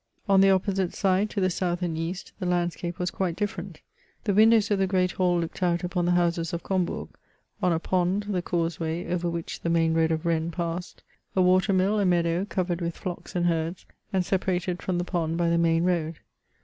On the opposite side, to the south and east, the landscape was quite different ; the windows of the great hall looked out upon the houses of Combourg, on a pond, the causeway, over which the main road of Rennes passed, a water mill, a meadow, covered with flocks and herds, and separated from the pond by the main road.